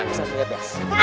ustadz lihat ya